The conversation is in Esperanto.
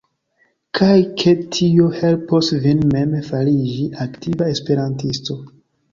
Kaj ke tio helpos vin mem fariĝi aktiva esperantisto.